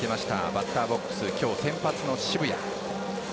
バッターボックス今日先発の渋谷。